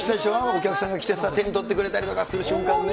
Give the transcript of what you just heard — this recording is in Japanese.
お客さんが来てさ、手に取ってくれたりとかする瞬間ね。